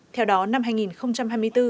theo đó năm hai nghìn hai mươi bốn